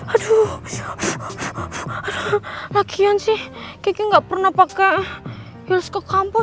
aduh lagian sih gigi gak pernah pakai heels ke kampus